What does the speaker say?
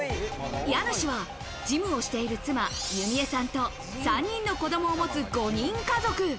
家主は事務をしている妻・弓恵さんと３人の子供を持つ５人家族。